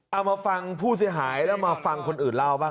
เอามาฟังผู้เสียหายแล้วมาฟังคนอื่นเล่าบ้าง